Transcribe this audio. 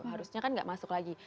harusnya kan nggak masuk lagi